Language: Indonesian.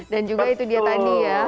dan juga itu dia tadi ya